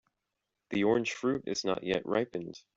The orange fruit is not yet ripened.